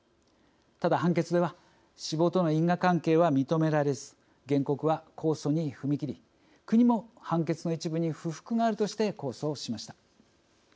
ただ、判決では死亡との因果関係は認められず原告は控訴に踏み切り国も判決の一部に不服があるとして控訴しました。